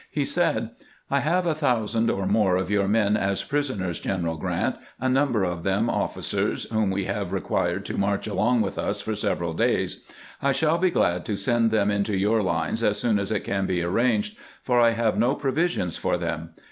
He said :" I have a thousand or more of your men as prisoners, General Grant, a number of them officers, whom we have required to march along with us for several days. I shall be glad to send them into your lines as soon as it can be arranged, for I have no provisions for them.